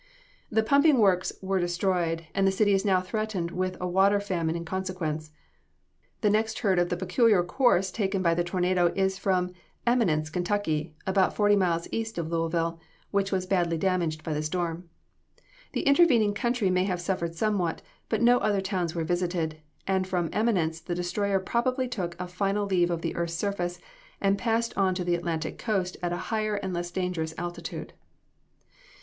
"The pumping works were destroyed, and the city is now threatened with a water famine in consequence. The next heard of the peculiar course taken by the tornado is from Eminence, Ky., about forty miles east of Louisville, which was badly damaged by the storm. The intervening country may have suffered somewhat, but no other towns were visited, and from Eminence the destroyer probably took a final leave of the earth's surface and passed on to the Atlantic Coast at a higher and less dangerous altitude."